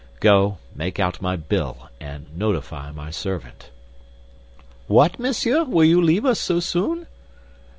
Go; make out my bill and notify my servant." "What, monsieur, will you leave us so soon?"